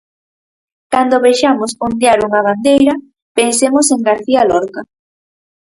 Cando vexamos ondear unha bandeira, pensemos en García Lorca.